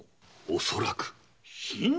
恐らく。